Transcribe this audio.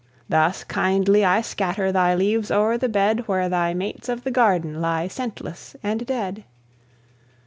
Thus kindly I scatter Thy leaves o'er the bed Where thy mates of the garden Lie scentless and dead.